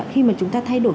khi mà chúng ta thay đổi